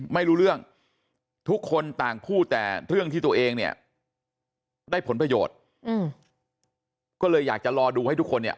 ไม่รู้เรื่องทุกคนต่างพูดแต่เรื่องที่ตัวเองเนี่ยได้ผลประโยชน์ก็เลยอยากจะรอดูให้ทุกคนเนี่ย